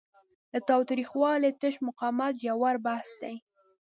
له تاوتریخوالي تش مقاومت ژور بحث دی.